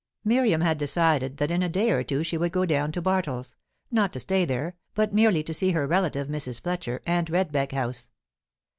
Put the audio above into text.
Miriam had decided that in a day or two she would go down to Bartles; not to stay there, but merely to see her relative, Mrs. Fletcher, and Redbeck House.